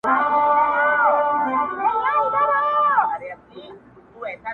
هغه خپل ځانګړی فورم لري او نثر يې له نورو څخه بېل رنګ لري-